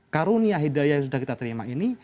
karunia hidayah yang sudah kita terima ini